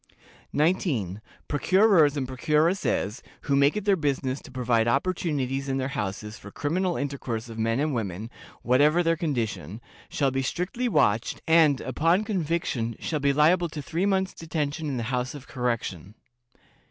"19. Procurers and procuresses, who make it their business to provide opportunities in their houses for criminal intercourse of men and women (whatever their condition), shall be strictly watched, and, upon conviction, shall be liable to three months' detention in the House of Correction.